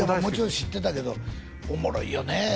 もちろん知ってたけどおもろいよね